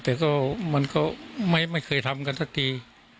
แต่ก็มันก็ไม่เคยทำกันสักที